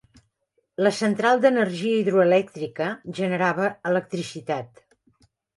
La central d'energia hidroelèctrica generava electricitat.